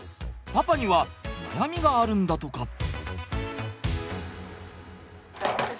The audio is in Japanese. パパには悩みがあるんだとか。